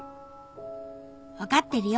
分かってるよ。